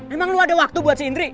emang lo ada waktu buat sih indri